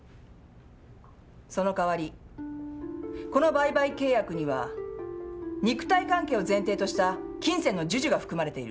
その代わりこの売買契約には肉体関係を前提とした金銭の授受が含まれている。